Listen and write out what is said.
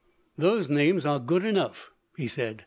"Those names are good enough," he said.